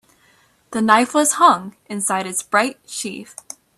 The knife was hung inside its bright sheath.